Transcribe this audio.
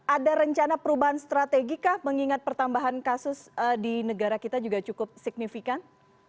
ada rencana perubahan strategi kah mengingat pertambahan kasus di negara kita juga cukup signifikan